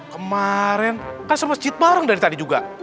kemaren kan semasjid bareng dari tadi juga